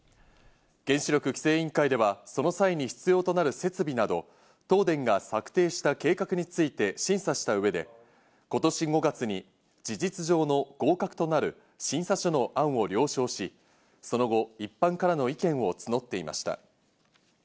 原子力規制委員会では、その際に必要となる設備など、東電が策定した計画について審査した上で、今年５月に事実上の合格となる審査書の案を了承し、その後、一般からの意見を募っていました。